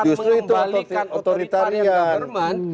mengembalikan otoritarian government